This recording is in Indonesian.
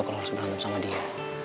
kalau harus berantem sama dia